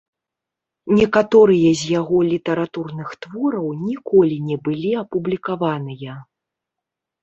Некаторыя з яго літаратурных твораў ніколі не былі апублікаваныя.